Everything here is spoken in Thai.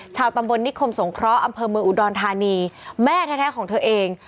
ชาวตำบลนิคมสงเคราะห์อำเภอเมืองอุดรธานีแม่แท้ของเธอเอง